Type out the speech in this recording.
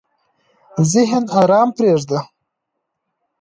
ذهن ارام پرېږده.